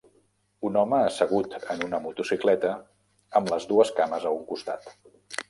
Un home assegut en una motocicleta amb les dues cames a un costat.